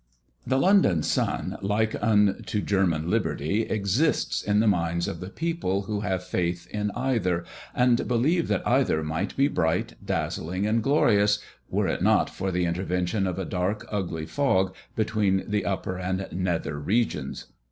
The London sun, like unto German liberty, exists in the minds of the people, who have faith in either, and believe that either might be bright, dazzling, and glorious, were it not for the intervention of a dark, ugly fog, between the upper and nether regions.